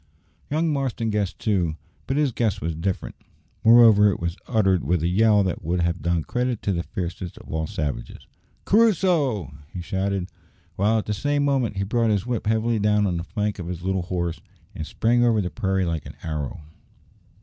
Young Marston guessed too, but his guess was different. Moreover, it was uttered with a yell that would have done credit to the fiercest of all the savages. "Crusoe!" he shouted, while at the same moment he brought his whip heavily down on the flank of his little horse, and sprang over the prairie like an arrow.